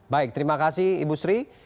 baik terima kasih ibu sri